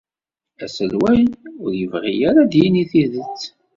Aselway ur yebɣi ara ad d-yini tidet.